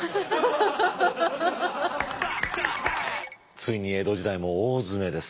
ついに江戸時代も大詰めです。